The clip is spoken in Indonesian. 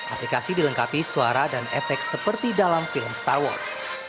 aplikasi dilengkapi suara dan efek seperti dalam film star wars